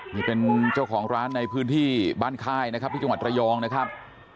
นี่เป็นเจ้าของร้านในพื้นที่บ้านค่ายนะครับที่จังหวัดระยองนะครับ